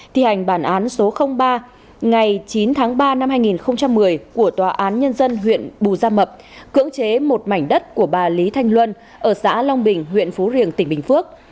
thi hành bản án số ba ngày chín tháng ba năm hai nghìn một mươi của tòa án nhân dân huyện bù gia mập cưỡng chế một mảnh đất của bà lý thanh luân ở xã long bình huyện phú riềng tỉnh bình phước